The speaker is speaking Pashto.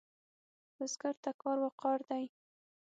بزګر ته کار وقار دی